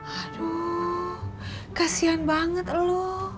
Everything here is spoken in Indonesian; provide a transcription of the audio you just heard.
aduh kasihan banget elu